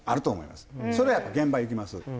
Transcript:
それやったら現場行きます。